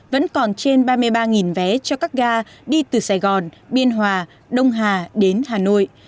vẫn còn trên ba mươi ba vé cho các ga đi từ sài gòn biên hòa đông hà đến hà nội